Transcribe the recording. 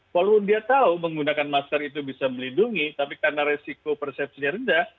walaupun dia tahu menggunakan masker itu bisa melindungi tapi karena resiko persepsinya rendah